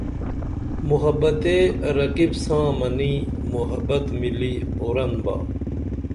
محبت تے رقیب ساں منی محبت مِلی اورن با